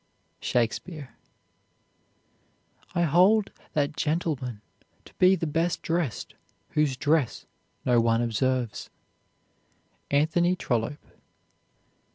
SHAKESPEARE. I hold that gentleman to be the best dressed whose dress no one observes. ANTHONY TROLLOPE.